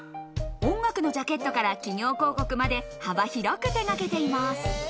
音楽のジャケットから企業広告まで幅広く手がけています。